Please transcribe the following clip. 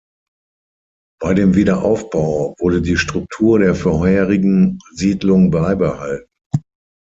Bei dem Wiederaufbau wurde die Struktur der vorherigen Siedlung beibehalten.